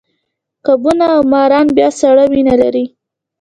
کبونه او ماران بیا سړه وینه لري